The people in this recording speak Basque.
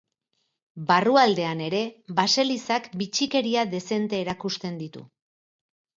Barrualdean ere baselizak bitxikeria dezente erakusten ditu.